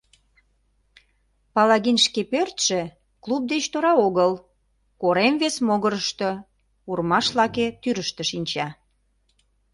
Палагин шке пӧртшӧ клуб деч тора огыл, корем вес могырышто, урмаш лаке тӱрыштӧ шинча.